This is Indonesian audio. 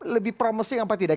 lebih promising apa tidak